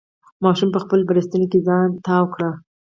ماشوم په خپلې بړستنې کې ځان تاو کړ.